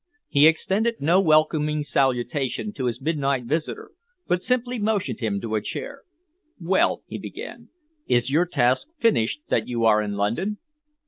He extended no welcoming salutation to his midnight visitor but simply motioned him to a chair. "Well," he began, "is your task finished that you are in London?"